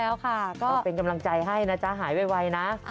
แล้วก็เป็นกำลังใจให้นะจ๊ะหายไวนะ